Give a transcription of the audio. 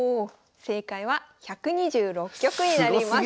正解は１２６局になります。